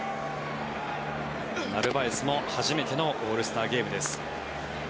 ナルバエスも初めてのオールスターゲームです。